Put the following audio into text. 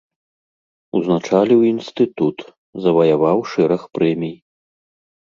Узначаліў інстытут, заваяваў шэраг прэмій.